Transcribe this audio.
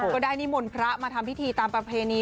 ก็ได้นิมนต์พระมาทำพิธีตามประเพณี